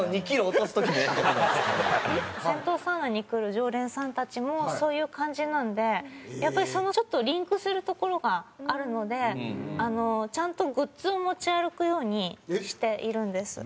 銭湯サウナに来る常連さんたちもそういう感じなのでやっぱりちょっとリンクするところがあるのでちゃんとグッズを持ち歩くようにしているんです。